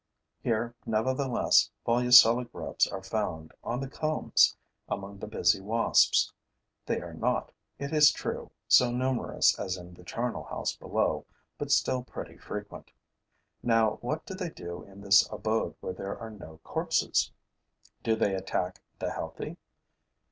Here, nevertheless, Volucella grubs are found, on the combs, among the busy wasps. They are not, it is true, so numerous as in the charnel house below, but still pretty frequent. Now what do they do in this abode where there are no corpses? Do they attack the healthy?